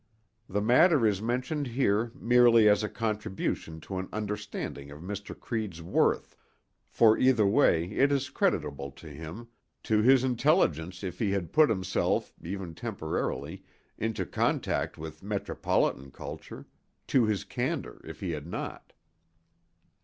The matter is mentioned here merely as a contribution to an understanding of Mr. Creede's worth, for either way it is creditable to him—to his intelligence if he had put himself, even temporarily, into contact with metropolitan culture; to his candor if he had not.